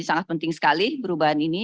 sangat penting sekali perubahan ini